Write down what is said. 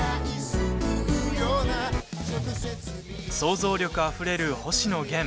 「ＳＵＮ」想像力あふれる星野源。